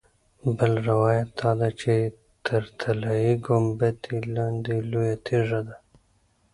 بل روایت دا دی چې تر طلایي ګنبدې لاندې لویه تیږه ده.